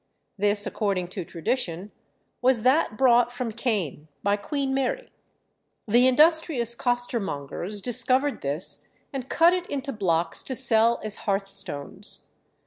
This, according to tradition, was that brought from Caen by Queen Mary. The industrious costermongers discovered this, and cut it into blocks to sell as hearthstones.